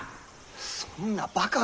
そんなバカな。